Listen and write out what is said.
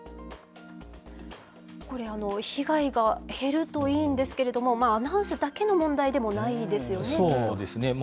これ、被害が減るといいんですけど、アナウンスだけの問題でそうですね。